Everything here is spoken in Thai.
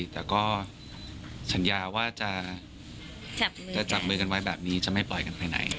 แต่ก็สัญญาว่าจะจับมือกันไว้แบบนี้จะไม่ปล่อยกันไปไหน